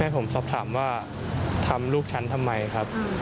ผมสอบถามว่าทำลูกฉันทำไมครับ